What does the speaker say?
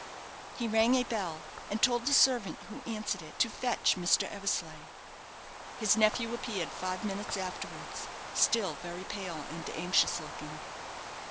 He rang a bell, and told the servant who answered it to fetch Mr. Eversleigh. His nephew appeared five minutes afterwards, still very pale and anxious looking.